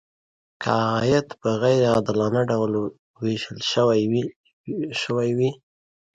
که عاید په غیر عادلانه ډول ویشل شوی وي.